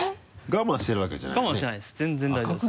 我慢してるわけじゃないよね？